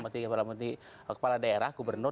dalam arti kepala daerah gubernur